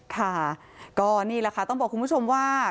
ค่ะก็นี่แหละค่ะต้องบอกคุณผู้ชมว่า